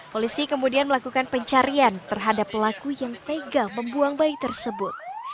polisi kemudian melakukan pencarian terhadap pelaku yang tega membuang bayi tersebut